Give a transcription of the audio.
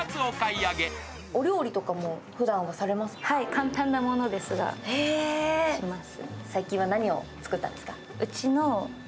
簡単なものですが、します